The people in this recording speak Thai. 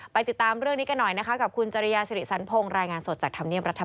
ติดตามเรื่องนี้กันหน่อยนะคะกับคุณจริยาสิริสันพงศ์รายงานสดจากธรรมเนียมรัฐ